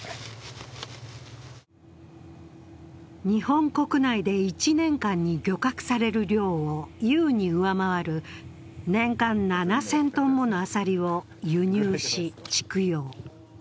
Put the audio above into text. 日本国内で１年間に漁獲される量を量を優に上回る年間７０００ｔものあさりを輸入し、蓄養。